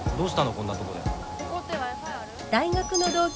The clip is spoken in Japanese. こんなとこで。